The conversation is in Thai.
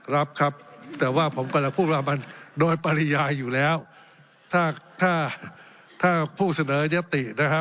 รับครับแต่ว่าผมกำลังพูดว่ามันโดยปริยายอยู่แล้วถ้าถ้าผู้เสนอยตินะฮะ